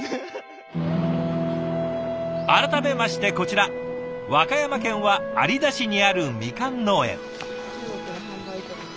改めましてこちら和歌山県は有田市にあるみかん農園。